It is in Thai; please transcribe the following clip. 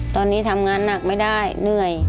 ขอเพียงคุณสามารถที่จะเอ่ยเอื้อนนะครับ